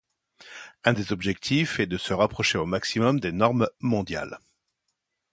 Un des objectifs est de se rapprocher au maximum des normes mondiales.